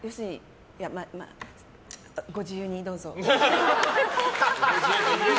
ご自由にどうぞ。